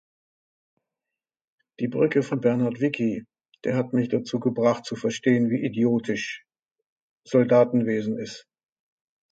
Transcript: Die Brücke von Bernhard Wicki, der hat mich dazu gebracht zu verstehen wie idiotisch Soldatenwesen is.